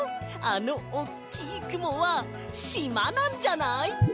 あのおっきいくもはしまなんじゃない？